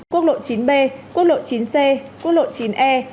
quốc lộ chín b quốc lộ chín c quốc lộ chín e